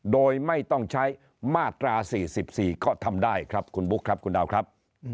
โดยไม่ต้องใช้มาตรา๔๔ก็ทำได้ครับคุณบุ๊คครับคุณดาวครับ